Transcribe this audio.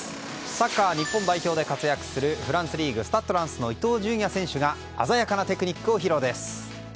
サッカー日本代表で活躍するフランスリーグスタッド・ランスの伊東純也選手が鮮やかなテクニックを披露です。